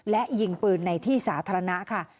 และยิงปืนในที่สาธารณะค่ะ